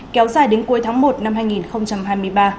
kéo dài đến cuối tháng một năm hai nghìn hai mươi ba